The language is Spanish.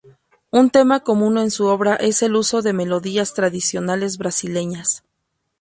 Un tema común en su obra es el uso de melodías tradicionales brasileñas.